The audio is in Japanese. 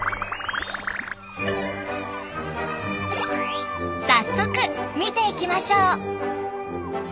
早速見ていきましょう。